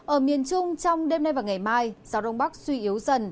ở miền trung trong đêm nay và ngày mai gió đông bắc suy yếu dần